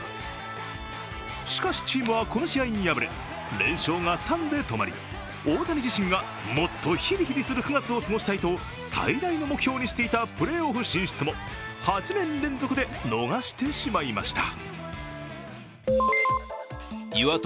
しかし、チームはこの試合に敗れ連勝が３で止まり大谷自身が、もっとヒリヒリする９月を過ごしたいと最大の目標にしていたプレーオフ進出も８年連続で逃してしまいました。